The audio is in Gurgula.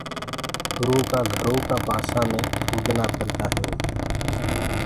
اُرآ ڪآ گھرو ڪآ پآسآ مي ڀمڀڻونٚ ڦرديونٚ هينٚ۔